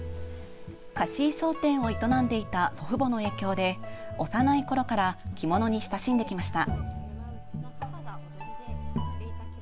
貸衣装店を営んでいた祖父母の影響で幼いころから着物に親しんできました。